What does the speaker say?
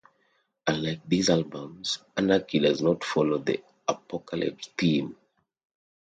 Unlike these albums, "Anarchy" does not follow the apocalypse theme.